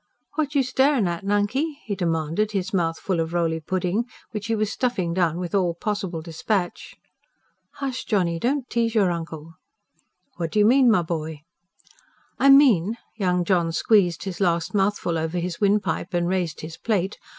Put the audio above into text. "What you staring at, Nunkey?" he demanded, his mouth full of roly pudding, which he was stuffing down with all possible dispatch. "Hush, Johnny. Don't tease your uncle." "What do you mean, my boy?" "I mean ..." Young John squeezed his last mouthful over his windpipe and raised his plate.